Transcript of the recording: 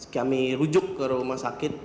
kami rujuk ke rumah sakit